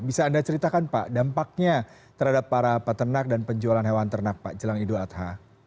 bisa anda ceritakan pak dampaknya terhadap para peternak dan penjualan hewan ternak pak jelang idul adha